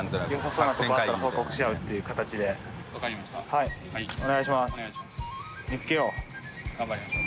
はいお願いします。